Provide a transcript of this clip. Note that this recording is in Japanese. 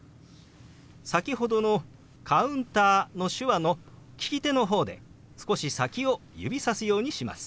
先ほどの「カウンター」の手話の利き手の方で少し先を指さすようにします。